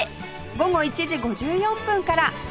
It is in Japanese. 午後１時５４分から